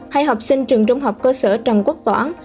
hai học sinh trường trung học cơ sở trần quốc toãn